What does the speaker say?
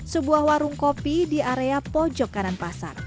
sebuah warung kopi di area pojok kanan belakangnya